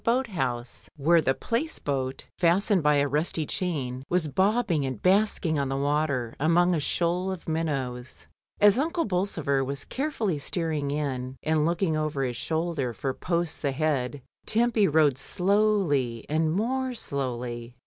DYMOND. boat house, where the Place boat fastened by a rusty chain was bobbing and basking on the water among a shoal of minnows. As Uncle Bolsover was carefully steering in, and looking over his shoulder for posts ahead, Tempy rowed slowly and more slowly.